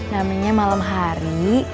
namanya malam hari